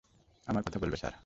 আমার কথা বলবে, স্যার।